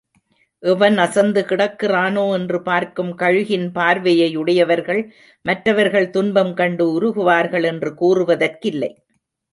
எவன் அசந்து கிடக்கிறானோ என்று பார்க்கும் கழுகின் பார்வையை உடையவர்கள், மற்றவர்கள் துன்பம் கண்டு உருகுவார்கள் என்று கூறுவதற்கில்லை.